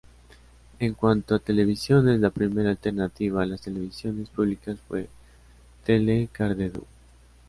En cuanto a televisiones, la primera alternativa a las televisiones públicas fue Tele Cardedeu.